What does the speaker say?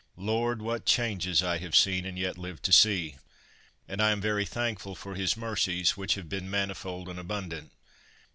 Lord! what changes I have seen and yet live to see; and I am very thankful for His mercies, which have been manifold and abundant.